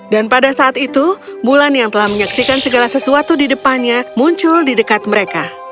dan pada saat itu bulan yang telah menyaksikan segala sesuatu di depannya muncul di dekat mereka